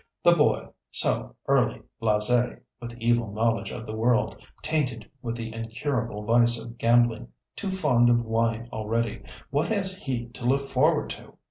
The boy, so early blasé, with evil knowledge of the world, tainted with the incurable vice of gambling, too fond of wine already, what has he to look forward to?